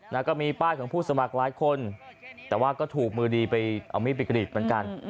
แล้วก็มีป้ายของผู้สมัครหลายคนแต่ว่าก็ถูกมือดีไปเอามีดไปกรีดเหมือนกัน